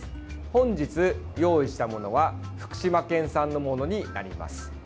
本日、用意したものは福島県産のものになります。